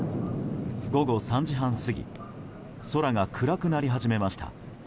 午後３時半過ぎ空が暗くなり始めました。